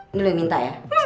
ini lo yang minta ya